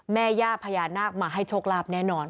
แม่ย่าพญานาคมาให้โชคลาภแน่นอน